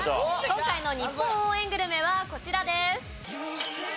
今回の日本応援グルメはこちらです。